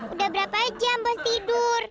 udah berapa jam bos tidur